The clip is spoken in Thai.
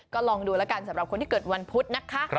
ก็ลองดูแล้วกันสำหรับคนที่เกิดวันพุธนะคะ